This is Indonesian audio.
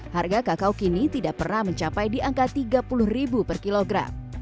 harga kakao kini tidak pernah mencapai di angka tiga puluh per kilogram